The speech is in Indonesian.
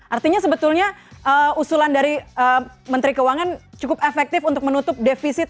artinya sebetulnya usulan dari menteri keuangan cukup efektif untuk menutup defisit